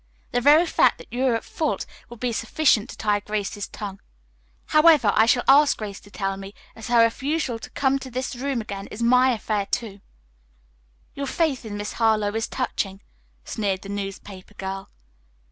The very fact that you are at fault will be sufficient to tie Grace's tongue. However, I shall ask Grace to tell me, as her refusal to come to this room again, is my affair, too." "Your faith in Miss Harlowe is touching," sneered the newspaper girl.